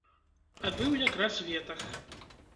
А быў якраз ветах.